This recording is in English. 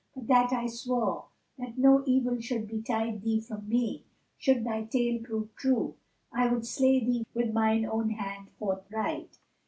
But that I swore that no evil should betide thee from me, should thy tale prove true, I would slay thee with mine own hand forthright!"